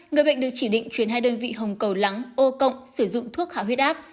người bệnh được chỉ định chuyển hai đơn vị hồng cầu lắng ô cộng sử dụng thuốc hạ huyết áp